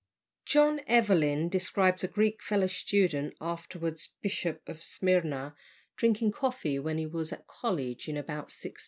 John Evelyn describes a Greek fellow student, afterwards Bishop of Smyrna, drinking coffee when he was at college in about 1637.